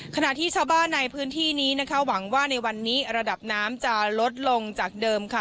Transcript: ขณะที่ชาวบ้านในพื้นที่นี้นะคะหวังว่าในวันนี้ระดับน้ำจะลดลงจากเดิมค่ะ